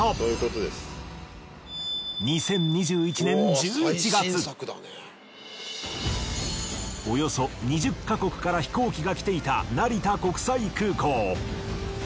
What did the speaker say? その目的はおよそ２０ヵ国から飛行機が来ていた成田国際空港。